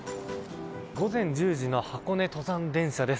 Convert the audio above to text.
午前１０時の箱根登山電車です。